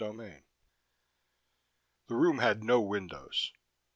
16 The room had no windows.